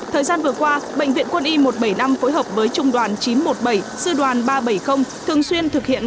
thời gian vừa qua bệnh viện quân y một trăm bảy mươi năm phối hợp với trung đoàn chín trăm một mươi bảy sư đoàn ba trăm bảy mươi thường xuyên thực hiện